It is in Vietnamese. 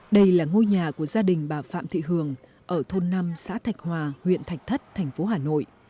đây là ngôi nhà của gia đình bà phạm thị hường ở thôn năm xã thạch hòa huyện thạch thất thành phố hà nội